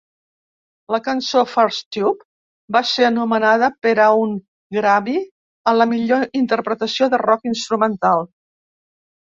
La cançó "First Tube" va ser anomenada per un Grammy a la millor interpretació de rock instrumental.